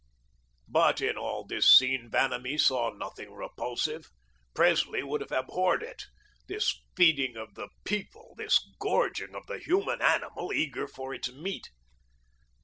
But in all this scene Vanamee saw nothing repulsive. Presley would have abhorred it this feeding of the People, this gorging of the human animal, eager for its meat.